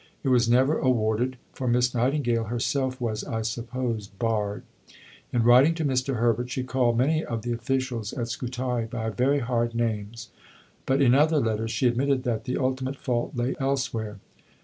It was never awarded, for Miss Nightingale herself was, I suppose, "barred." In writing to Mr. Herbert, she called many of the officials at Scutari by very hard names, but in other letters she admitted that the ultimate fault lay elsewhere.